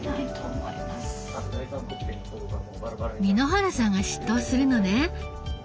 簑原さんが執刀するのね。